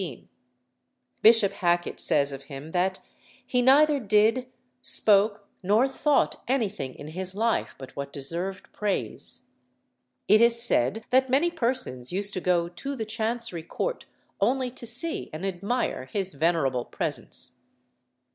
Bishop Hacket says of him that "He neither did, spoke, nor thought anything in his life but what deserved praise." It is said that many persons used to go to the Chancery Court only to see and admire his venerable presence.